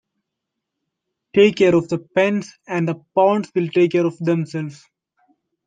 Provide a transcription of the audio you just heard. Take care of the pence and the pounds will take care of themselves.